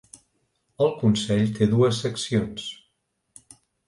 El Consell té dues seccions.